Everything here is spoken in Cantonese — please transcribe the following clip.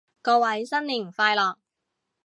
各位新年快樂